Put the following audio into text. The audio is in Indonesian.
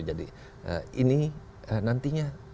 jadi ini nantinya